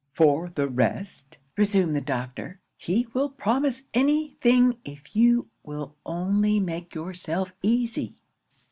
'"For the rest," resumed the doctor, "he will promise any thing if you will only make yourself easy."